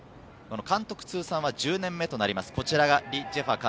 監督通算は１０年目となります。